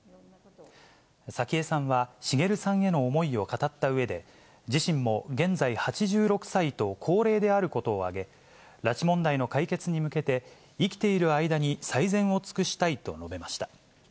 早紀江さんは、滋さんへの思いを語ったうえで、自身も現在８６歳と高齢であることを挙げ、拉致問題の解決に向けて、生きている間に最善を尽くしたいと述べました。